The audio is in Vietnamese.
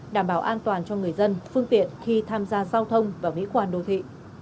đảm bảo an toàn cho người dân phương tiện khi tham gia giao thông và mỹ quan đô thị